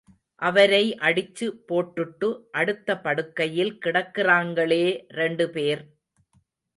அவரை அடிச்சு போட்டுட்டு அடுத்த படுக்கையில் கிடக்கிறாங்களே ரெண்டு பேர்.